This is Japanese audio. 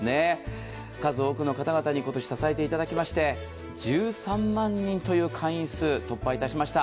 数多くの方々に今年支えていただきまして、１３万人という会員数を突破いたしました。